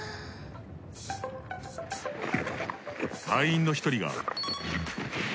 隊員の１人が。